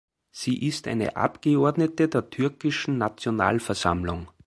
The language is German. Sie ist eine Abgeordnete der Türkischen Nationalversammlung.